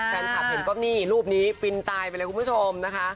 แฟนคลับเห็นก็นี่รูปนี้ฟินตายไปเลยคุณผู้ชมนะคะ